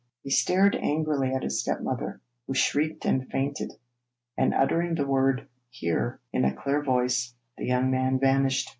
He stared angrily at his stepmother, who shrieked and fainted; and uttering the word 'Here' in a clear voice, the young man vanished.